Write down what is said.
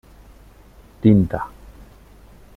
Tinta: